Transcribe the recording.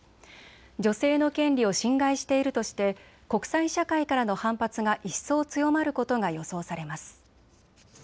女性の権利を侵害しているとして国際社会からの反発が一層強まることが予想されます。